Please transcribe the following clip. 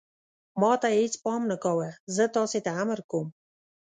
ما ته یې هېڅ پام نه کاوه، زه تاسې ته امر کوم.